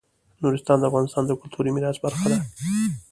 نورستان د افغانستان د کلتوري میراث برخه ده.